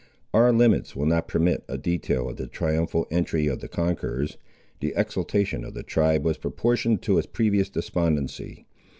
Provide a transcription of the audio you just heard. Our limits will not permit a detail of the triumphal entry of the conquerors. The exultation of the tribe was proportioned to its previous despondency.